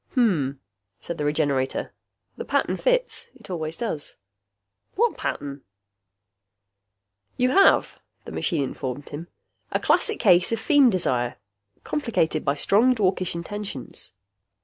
"Hmm," said the Regenerator. "The pattern fits. It always does." "What pattern?" "You have," the machine informed him, "a classic case of feem desire, complicated by strong dwarkish intentions."